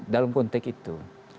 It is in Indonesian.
dalam konteks itu